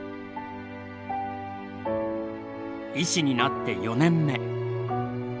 医師になって４年目。